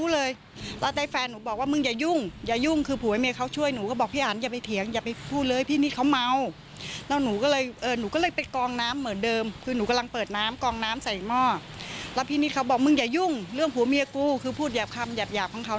แล้วพี่นิดเขาบอกมึงอย่ายุ่งเรื่องผัวเมียกูคือพูดหยาบคำหยาบของเขา